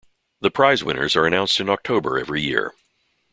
The prize winners are announced in October every year.